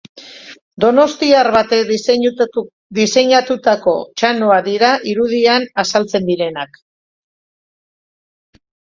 Donostiar batek disenatutako txanoak dira irudian azaltzen direnak.